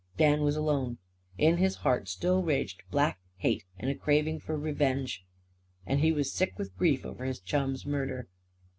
Dan was alone. In his heart still raged black hate and a craving for revenge. And he was sick with grief over his chum's murder.